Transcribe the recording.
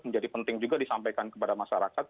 menjadi penting juga disampaikan kepada masyarakat